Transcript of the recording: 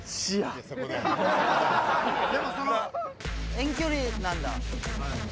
遠距離なんだ。